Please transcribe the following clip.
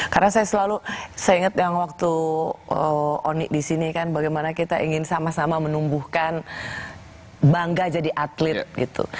karena saya selalu saya inget yang waktu oni di sini kan bagaimana kita ingin sama sama menumbuhkan bangga jadi atlet gitu